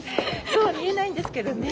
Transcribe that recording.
そうは見えないんですけどね。